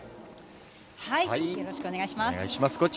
よろしくお願いします。